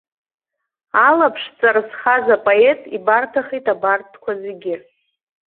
Алаԥш ҵар зхаз апоет ибарҭахеит абарҭқәа зегьы.